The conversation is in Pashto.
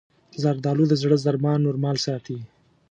زردالو د زړه ضربان نورمال ساتي.